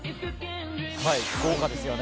豪華ですよね。